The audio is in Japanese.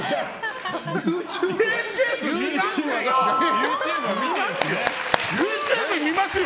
ＹｏｕＴｕｂｅ見ますよ！